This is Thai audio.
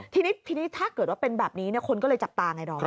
ทีนี้ถ้าเกิดว่าเป็นแบบนี้เนี่ยคนก็เลยจับตาไงรอ